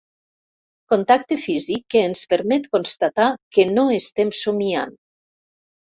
Contacte físic que ens permet constatar que no estem somiant.